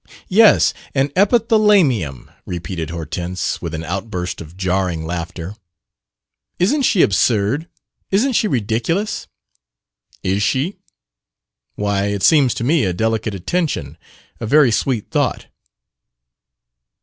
"Yes, an epithala mium!" repeated Hortense, with an outburst of jarring laughter. "Isn't she absurd! Isn't she ridiculous!" "Is she? Why, it seems to me a delicate attention, a very sweet thought."